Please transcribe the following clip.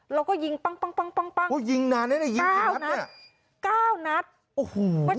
แล้วก็ยิงปั้งโอ้ยยิงนานเลยนะยิงขาวนัดเนี่ย